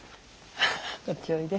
こっちおいで。